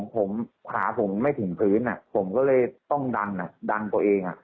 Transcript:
ผมขาผมไม่ถึงพื้นอ่ะผมก็เลยต้องดังอ่ะดังตัวเองอ่ะ